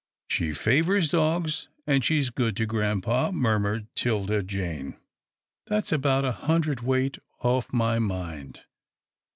" She favours dogs, and she's good to grampa," murmured 'Tilda Jane. " That's about a hundred * weight off my mind."